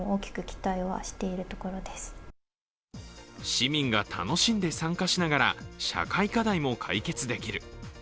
市民が楽しんで参加しながら社会課題も解決できる。